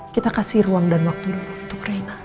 kita kasih ruang dan waktu dulu untuk rena